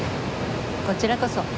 こちらこそ。